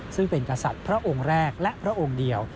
ซึ่งเป็นกษัตริย์พระองค์แรกและพระองค์เดียว